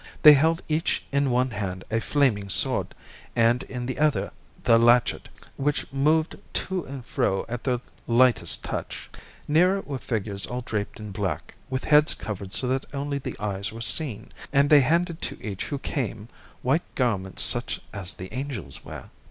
They held each in one hand a flaming sword, and in the other the latchet, which moved to and fro at their lightest touch. Nearer were figures all draped in black, with heads covered so that only the eyes were seen, and they handed to each who came white garments such as the angels wear.